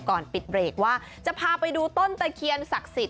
ก่อนปิดเบรกว่าจะพาไปดูต้นตะเคียนศักดิ์สิทธิ